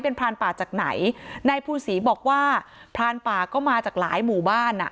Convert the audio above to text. เป็นพรานป่าจากไหนนายภูนศรีบอกว่าพรานป่าก็มาจากหลายหมู่บ้านอ่ะ